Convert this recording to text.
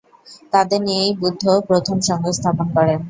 তাদের নিয়েই বুদ্ধ প্রথম সংঘ স্থাপন করেন।